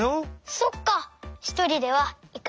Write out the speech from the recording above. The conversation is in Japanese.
そっか！